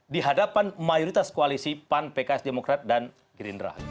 di hadapan mayoritas koalisi pan pks demokrat dan gerindra